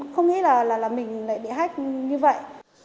không nghĩ là mình lại bị hách như vậy